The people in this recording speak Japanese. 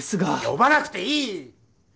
呼ばなくていい！